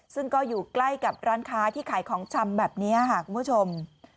ซึ่งก็อยู่ใกล้กับร้านค้าที่ขายของชำแบบนี้ค่ะคุณผู้ชม